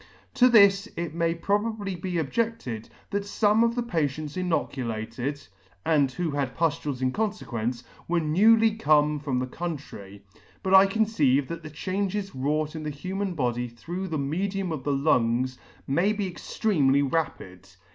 To this it may probably be objected, that fome of the patients inoculated, and who had puftules in confequence, were newly come from the country; but I conceive that the changes wrought in the human body through the medium of the lungs, may be extremely rapid.